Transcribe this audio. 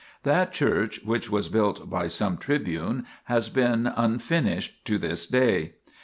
That church, which was built by some tribune, has been unfinished to this day.